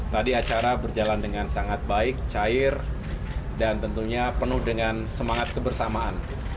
tadi acara berjalan dengan sangat baik cair dan tentunya penuh dengan semangat kebersamaan